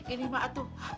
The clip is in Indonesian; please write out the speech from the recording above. ini pak atuh